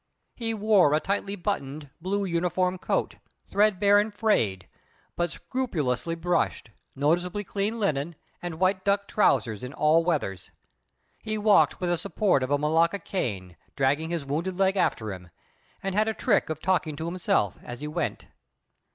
He wore a tightly buttoned, blue uniform coat, threadbare and frayed, but scrupulously brushed, noticeably clean linen, and white duck trousers in all weathers. He walked with the support of a malacca cane, dragging his wounded leg after him; and had a trick of talking to himself as he went.